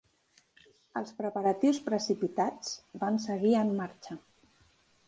Els preparatius precipitats van seguir en marxa.